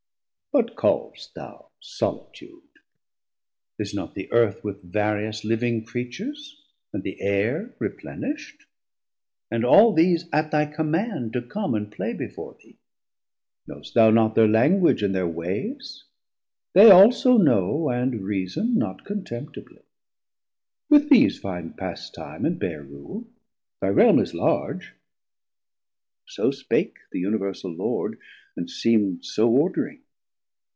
What call'st thou solitude, is not the Earth With various living creatures, and the Aire 370 Replenisht, and all these at thy command To come and play before thee, know'st thou not Thir language and thir wayes, they also know, And reason not contemptibly; with these Find pastime, and beare rule; thy Realm is large. So spake the Universal Lord, and seem'd So ordering.